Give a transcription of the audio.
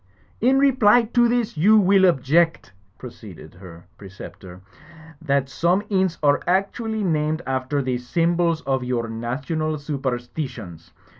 "In reply to this you will object ^" proceeded her preceptor, "that some inns are actually named after the symbols of your national superstitions.